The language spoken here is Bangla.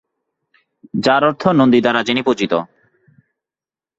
যার অর্থ নন্দী দ্বারা যিনি পূজিত।